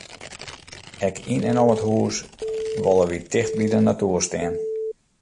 Ek yn en om it hús wolle wy ticht by de natoer stean.